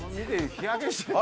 日焼けしてる。